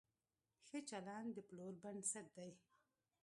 ښه چلند د پلور بنسټ دی.